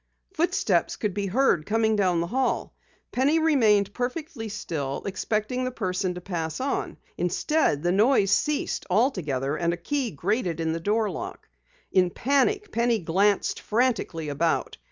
Footsteps could be heard coming down the hallway. Penny remained perfectly still, expecting the person to pass on. Instead, the noise ceased altogether and a key grated in the door lock. In panic, Penny glanced frantically about.